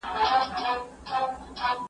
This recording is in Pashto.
دا مواد د ژبې پياوړتيا ته ګټه رسوي.